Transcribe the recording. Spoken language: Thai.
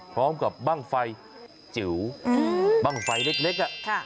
พร้อมกับบ้างไฟจิ๋วบ้างไฟเล็ก